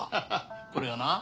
これがな？